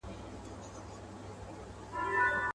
زاهده پرې مي ږده ځواني ده چي دنیا ووینم.